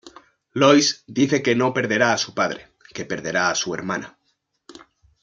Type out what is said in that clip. Lois dice que no perderá a su padre, que perderá a su hermana.